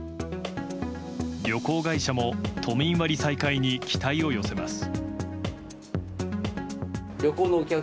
旅行会社も都民割再開に期待を寄せます。